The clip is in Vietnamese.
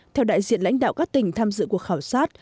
theo đại diện lãnh đạo các tỉnh tham dự cuộc khảo sát